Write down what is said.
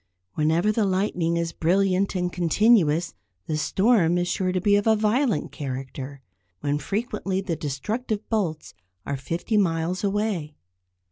Whenever the lightning is brilliant and continuous the storm is sure to be of a violent character, when frequently the destructive bolts are fifty miles away.